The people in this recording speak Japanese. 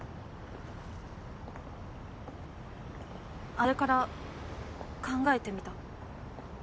あれから考えてみた。